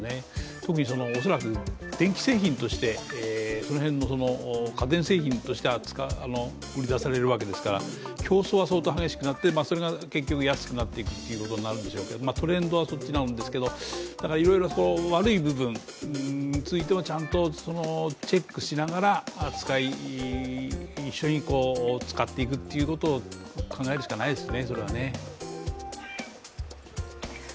特に恐らく電気製品としてその辺の家電製品として売り出されるわけですから競争は相当激しくなって、それが結局安くなっていくということでしょうけど、トレンドはそっちなんですけど、いろいろ悪い部分についてもちゃんとチェックしながら一緒に使っていくということを考えるしかないですね。